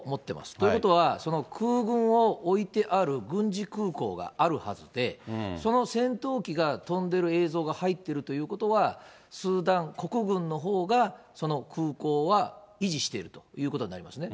ということは、その空軍を置いてある軍事空港があるはずで、その戦闘機が飛んでる映像が入っているということは、スーダン国軍のほうがその空港は維持しているということになりますね。